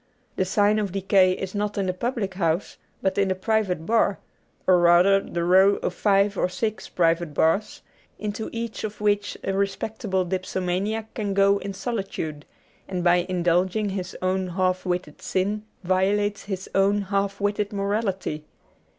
The sign of decay is not in the public house, but in the private bar ; or rather the row of five or six private bars, into each of which a respectable dipso maniac can go in solitude, and by indulging his own half witted sin violates his own half witted morality.